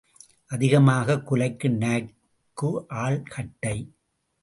அதிகமாகக் குலைக்கும் நாய்க்கு ஆள் கட்டை.